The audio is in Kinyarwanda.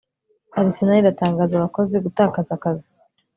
Arsenal iratangaza abakozi gutakaza akazi